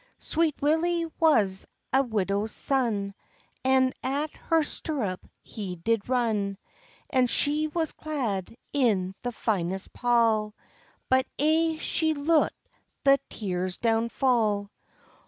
Sweet Willy was a widow's son, And at her stirrup he did run; And she was clad in the finest pall, But aye she loot the tears down fall.